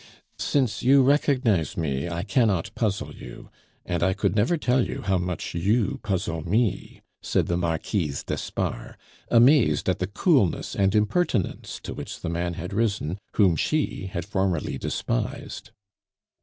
"Since you recognize me, I cannot puzzle you; and I could never tell you how much you puzzle me," said the Marquise d'Espard, amazed at the coolness and impertinence to which the man had risen whom she had formerly despised.